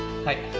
はい。